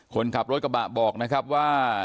คนขับรถกระบะบอกนะครับว่า